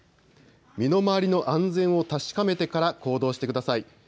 身の回りの安全を確かめてから行動してください。